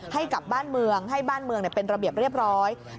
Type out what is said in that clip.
ให้กับบ้านเมืองให้บ้านเมืองเป็นระเบียบเรียบร้อย